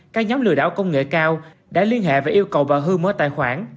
các nhóm lừa đảo công nghệ cao đã liên hệ và yêu cầu bà hương mở tài khoản